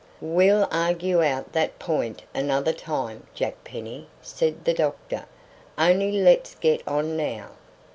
"We'll argue out that point another time, Jack Penny," said the doctor. "Only let's get on now."